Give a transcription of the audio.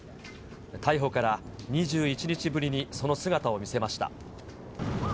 逮捕から２１日ぶりにその姿を見せました。